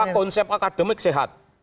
wah konsep akademik sehat